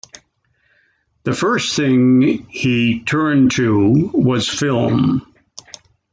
The first thing he turned to was film.